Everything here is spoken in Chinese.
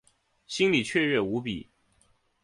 心里雀跃无比